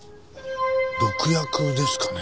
毒薬ですかね。